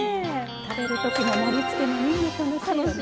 食べる時の盛りつけもみんな楽しいよね。